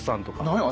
何や？